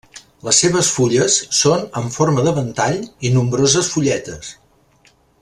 Les seves fulles són amb forma de ventall i nombroses fulletes.